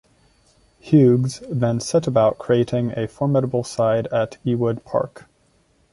Hughes then set about creating a formidable side at Ewood Park.